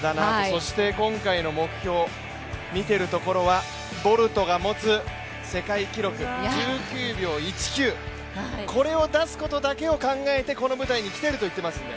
そして今回の目標、見ているところはボルトが持つ世界記録、１９秒１９、これを出すことだけを考えてこの舞台に来ていると言っていますので。